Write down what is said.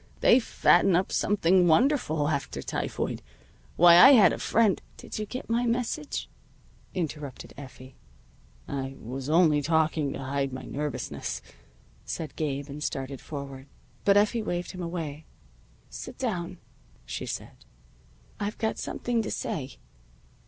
They fatten up something wonderful after typhoid. Why, I had a friend " "Did you get my message?" interrupted Effie. "I was only talking to hide my nervousness," said Gabe, and started forward. But Effie waved him away. "Sit down," she said. "I've got something to say."